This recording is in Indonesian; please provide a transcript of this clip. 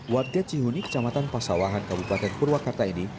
warga cihuni kecamatan pasawahan kabupaten purwakarta ini